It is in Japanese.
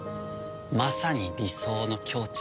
まさに理想の境地。